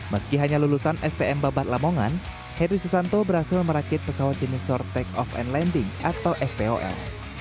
meski hanya lulusan stm babat lamongan heri susanto berhasil merakit pesawat jenis sorteg off and landing atau stol